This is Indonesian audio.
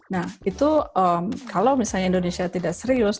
nah itu kalau misalnya indonesia tidak serius